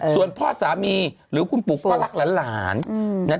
ส่วนพ่อสามีหรือคุณปุ๊กก็รักหลาน